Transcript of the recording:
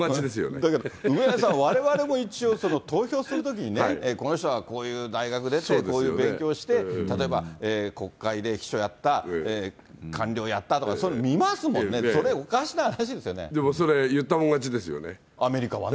だけど梅沢さん、われわれも一応その投票するときにね、この人はこういう大学出て、こういう勉強して、例えば国会で秘書やった、官僚やったとかそういうの見ますもんね、それ、おかしな話ですよでもそれ、アメリカはね。